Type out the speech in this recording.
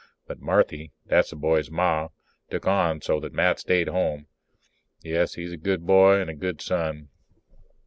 But Marthy that's the boy's Ma took on so that Matt stayed home. Yes, he's a good boy and a good son.